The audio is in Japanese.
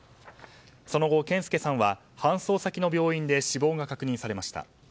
その後、健介さんは搬送先の病院で死亡が確認されました。